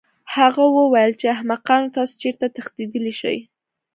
هغه وویل چې احمقانو تاسو چېرته تښتېدلی شئ